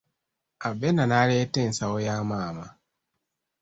Abena n'aleeta ensawo ya maama.